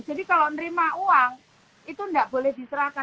jadi kalau nerima uang itu tidak boleh diserahkan